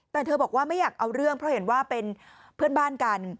แต่เธอบอกว่าไม่อยากเอาเรื่องเพราะเห็นว่าเป็นเพื่อนบ้านกัน